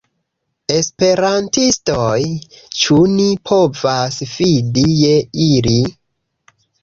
Esperantistoj? Ĉu ni povas fidi je ili?